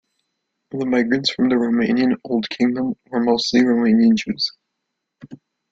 The migrants from the Romanian Old Kingdom were mostly Romanian Jews.